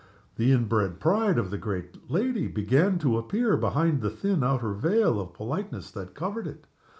The inbred pride of the great lady began to appear behind the thin outer veil of politeness that covered it.